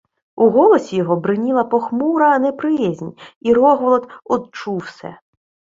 У голосі його бриніла похмура неприязнь, і Рогволод одчув се.